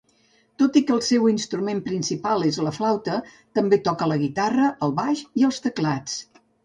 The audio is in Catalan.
Tot i que el seu instrument principal és la flauta, també toca la guitarra, el baix i els teclats.